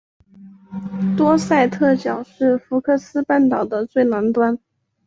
多塞特角是福克斯半岛的最南端。